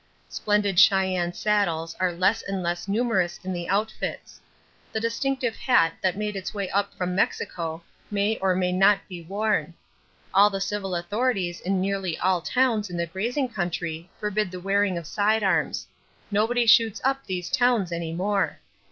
Splendid Cheyenne saddles are less and less numerous in the outfits; the distinctive hat that made its way up from Mexico may or may not be worn; all the civil authorities in nearly all towns in the grazing country forbid the wearing of side arms; nobody shoots up these towns any more.